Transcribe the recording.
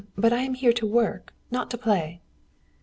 But I am here to work, not to play."